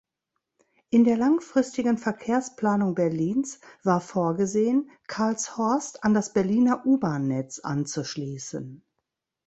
In der langfristigen Verkehrsplanung Berlins war vorgesehen, Karlshorst an das Berliner U-Bahn-Netz anzuschließen.